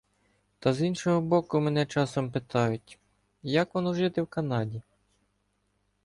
Та з іншого боку, мене часом питають: як воно, жити в Канаді